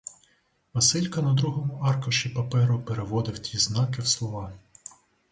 Василько на другому аркуші паперу переводив ті знаки в слова.